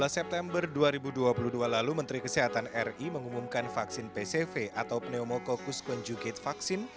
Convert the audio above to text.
dua belas september dua ribu dua puluh dua lalu menteri kesehatan ri mengumumkan vaksin pcv atau pneumococcus conjugate vaccine